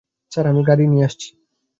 Sir, আমি গাড়ি নিয়ে আসছি।